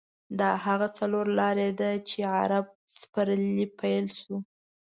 دا هغه څلور لارې ده چې عرب پسرلی پیل شو.